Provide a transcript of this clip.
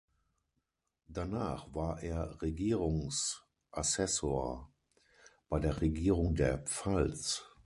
Danach war er Regierungsassessor bei der Regierung der Pfalz.